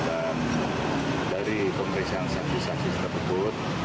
dan dari pemeriksaan saksi saksi tersebut